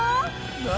何？